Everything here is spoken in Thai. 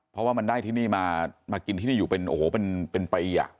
เพราะว่ามันได้ที่นี่มากินที่นี่อยู่เป็นไปอีกอย่าง